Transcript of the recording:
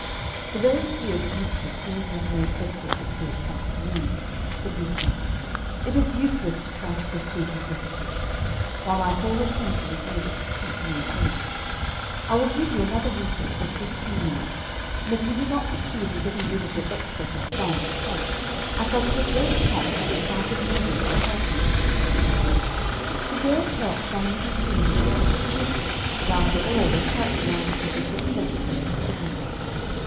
"The very spirit of mischief seems to have made headquarters here this afternoon," said Miss Capron. "It is useless to try to proceed with recitations, while my whole attention is needed to keep you in order. I will give you another recess of fifteen minutes, and if you do not succeed in getting rid of your excess of fun and frolic, I shall take very prompt and decisive measures to help you." The girls felt some little twinges of conscience, but, after all, were quite delighted with the success of their experiment.